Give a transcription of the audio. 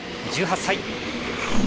１８歳。